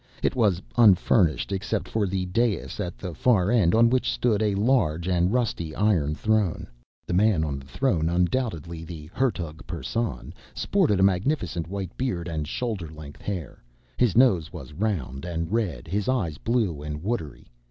It was unfurnished except for the dais at the far end on which stood a large and rusty iron throne. The man on the throne, undoubtedly the Hertug Persson, sported a magnificent white beard and shoulder length hair, his nose was round and red, his eyes blue and watery.